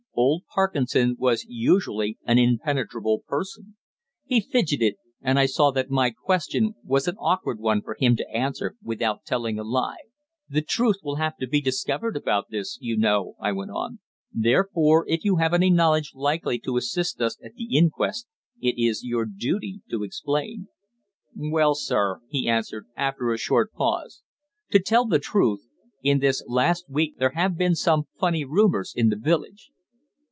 Old Parkinson was usually an impenetrable person. He fidgeted, and I saw that my question was an awkward one for him to answer without telling a lie. "The truth will have to be discovered about this, you know," I went on. "Therefore, if you have any knowledge likely to assist us at the inquest it is your duty to explain." "Well, sir," he answered, after a short pause, "to tell the truth, in this last week there have been some funny rumours in the village."